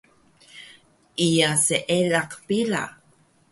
Iya seelaq pila